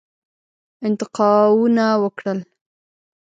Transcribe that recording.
انتقاونه وکړل.